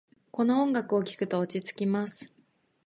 この音楽を聴くと落ち着きます。